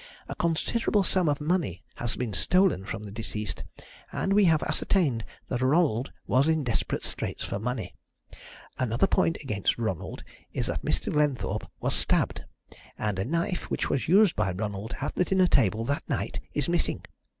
A considerable sum of money has been stolen from the deceased, and we have ascertained that Ronald was in desperate straits for money. Another point against Ronald is that Mr. Glenthorpe was stabbed, and a knife which was used by Ronald at the dinner table that night is missing.